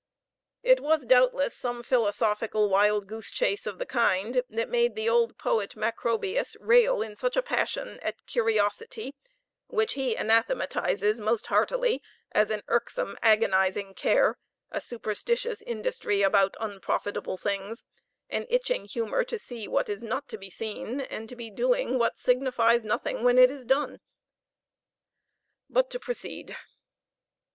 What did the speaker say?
It was doubtless some philosophical wild goose chase of the kind that made the old poet Macrobius rail in such a passion at curiosity, which he anathematises most heartily as "an irksome, agonising care, a superstitious industry about unprofitable things, an itching humor to see what is not to be seen, and to be doing what signifies nothing when it is done." But to proceed.